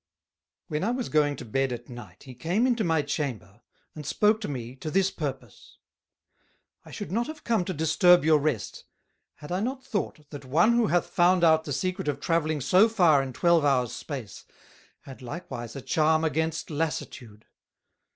_ When I was going to Bed at night, he came into my Chamber, and spoke to me to this purpose: "I should not have come to disturb your Rest, had I not thought that one who hath found out the secret of Travelling so far in Twelve hours space, had likewise a charm against Lassitude.